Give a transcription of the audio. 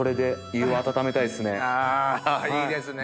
あいいですね。